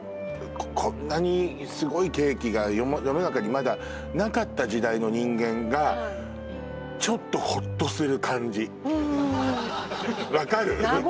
こんなにすごいケーキが世の中にまだなかった時代の人間がうんうんうん分かる？